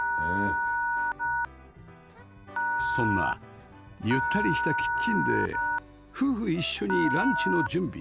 そんなゆったりしたキッチンで夫婦一緒にランチの準備